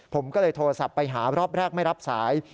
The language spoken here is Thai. ผมก็เลยโทรศัพท์ไปหารอบแรกไม่รับสาย